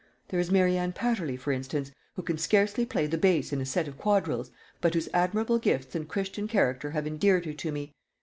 There is Mary Anne Patterly, for instance, who can scarcely play the bass in a set of quadrilles, but whose admirable gifts and Christian character have endeared her to me.